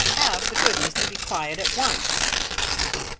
Have the goodness to be quiet at once!"